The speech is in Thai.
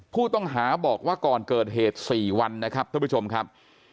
ผู้ต้องหาบอกว่าก่อนเกิดเหตุ๔วันนะครับท่านผู้ชมครับ